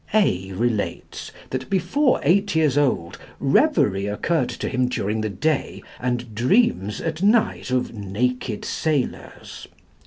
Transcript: A relates that, before eight years old, reverie occurred to him during the day, and dreams at night, of naked sailors.